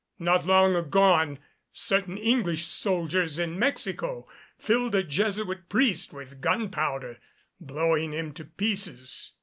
Not long agone certain English soldiers in Mexico filled a Jesuit priest with gunpowder, blowing him to pieces.